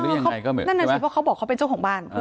นั่นน่ะสิเพราะเขาบอกเขาเป็นเจ้าของบ้าน